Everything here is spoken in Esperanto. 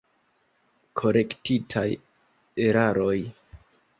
Korektitaj eraroj.